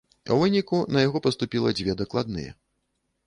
У выніку на яго паступіла дзве дакладныя.